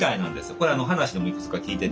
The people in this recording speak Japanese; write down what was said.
これ話でもいくつか聞いてて。